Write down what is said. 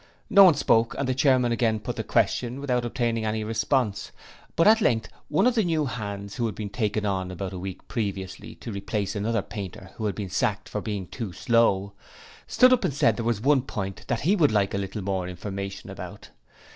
No one spoke and the Chairman again put the question without obtaining any response, but at length one of the new hands who had been 'taken on' about a week previously to replace another painter who had been sacked for being too slow stood up and said there was one point that he would like a little more information about.